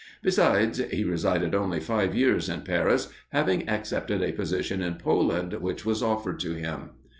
Besides, he resided only five years in Paris, having accepted a position in Poland which was offered to him.